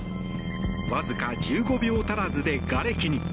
わずか１５秒足らずでがれきに。